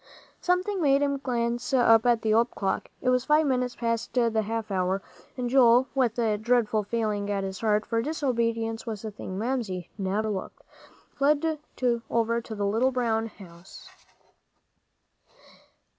Something made him glance up at the old clock. It was five minutes past the half hour, and Joel, with a dreadful feeling at his heart, for disobedience was a thing Mamsie never overlooked, fled over to the little brown house.